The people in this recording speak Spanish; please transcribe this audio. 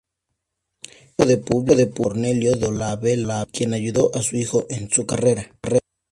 Era hijo de Publio Cornelio Dolabela, quien ayudó a su hijo en su carrera.